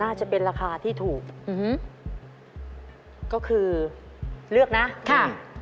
น่าจะเป็นราคาที่ถูกอืมก็คือเลือกนะค่ะ